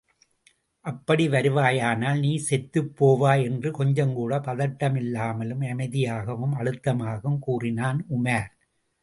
அப்படி வருவாயானால் நீ செத்துப் போவாய்! என்று கொஞ்சங்கூடப் பதட்டமில்லாமல் அமைதியாகவும் அழுத்தமாகவும் கூறினான் உமார்.